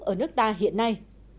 ở nước ta hiện nay